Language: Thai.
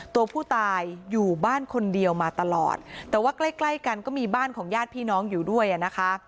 ตัวผู้ตายอยู่บ้านคนเดียวมาตลอดแต่ว่าใกล้ใกล้กันก็มีบ้านของญาติพี่น้องอยู่ด้วยอ่ะนะคะ